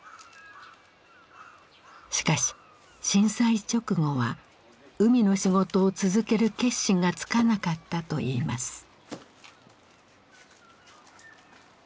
しかし震災直後は海の仕事を続ける決心がつかなかったといいます。